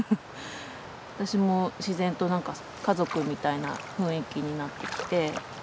私も自然となんかその家族みたいな雰囲気になってきて。